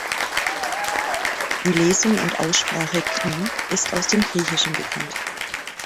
Die Lesung und Aussprache "Chnum" ist aus dem Griechischen bekannt.